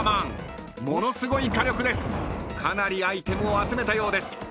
［かなりアイテムを集めたようです］